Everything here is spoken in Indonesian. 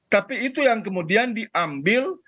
tapi itu yang kemudian diambil